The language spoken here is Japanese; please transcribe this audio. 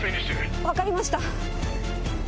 分かりました。